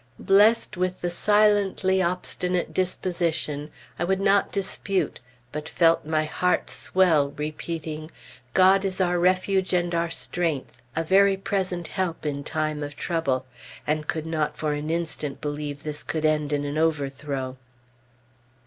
Blessed with the silently obstinate disposition, I would not dispute, but felt my heart swell, repeating, "God is our refuge and our strength, a very present help in time of trouble," and could not for an instant believe this could end in an overthrow.